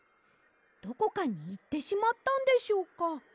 どこかにいってしまったんでしょうか？